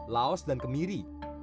laos dan kemiri